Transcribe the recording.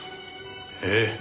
ええ。